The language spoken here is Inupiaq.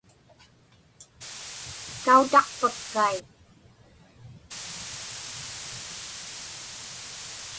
Kautaqpakkai.